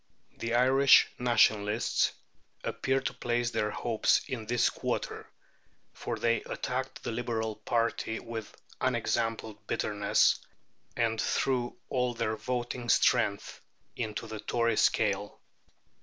The Irish Nationalists appeared to place their hopes in this quarter, for they attacked the Liberal party with unexampled bitterness, and threw all their voting strength into the Tory scale.